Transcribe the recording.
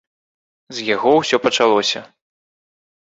З яго ўсё пачалося.